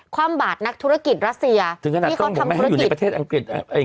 ความบาดนักธุรกิจรัสเซียที่เขาทำธุรกิจ